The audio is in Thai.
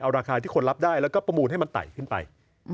เอาราคาที่คนรับได้แล้วก็ประมูลให้มันไต่ขึ้นไป